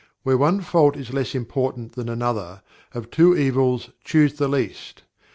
Where one fault is less important than another, of two evils choose the least.